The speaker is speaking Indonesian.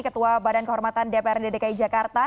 ketua badan kehormatan dpr dan dki jawa